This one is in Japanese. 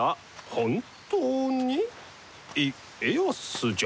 本当に家康じゃ。